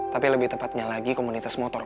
tapi lebih tepatnya lagi komunitas motor